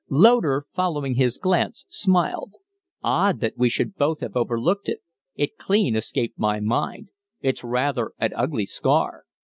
Loder, following his glance, smiled. "Odd that we should both have overlooked it! It clean escaped my mind. It's rather an ugly scar."